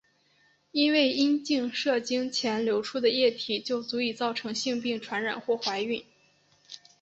因为阴茎射精前流出的液体就足以造成性病传染或怀孕。